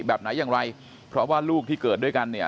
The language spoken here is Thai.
แบบไหนอย่างไรเพราะว่าลูกที่เกิดด้วยกันเนี่ย